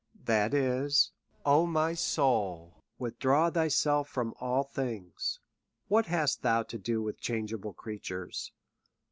That is, " O my soul ! withdraw thyself from all things. What hast thou to do with changeable crea tures?